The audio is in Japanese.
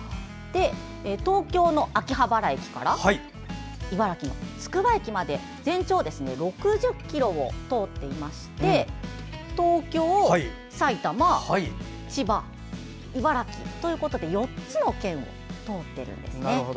東京の秋葉原駅から茨城のつくば駅まで全長およそ６０ｋｍを通っていまして東京・埼玉・千葉・茨城と４つの県を通っているんですね。